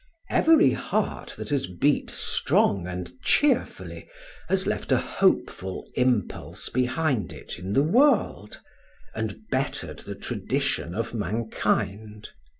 Every heart that has beat strong and cheerfully has left a hopeful impulse behind it in the world, and bettered the tradition of mankind.